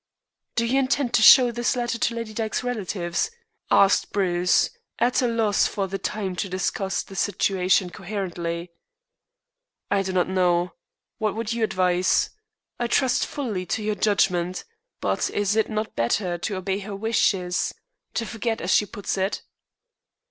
"Do you intend to show this letter to Lady Dyke's relatives?" asked Bruce, at a loss for the time to discuss the situation coherently. "I do not know. What would you advise? I trust fully to your judgment. But is it not better to obey her wishes? to forget, as she puts it?"